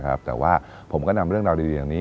กลับมาสืบสาวเรื่องราวความประทับใจ